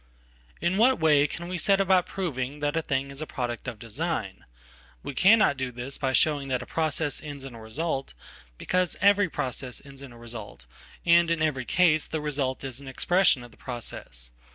In what way can we set about proving that a thing is a productof design? We cannot do this by showing that a process ends in aresult, because every process ends in a result, and in every casethe result is an expression of the process.